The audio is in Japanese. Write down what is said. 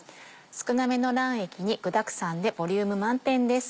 少なめの卵液に具だくさんでボリューム満点です。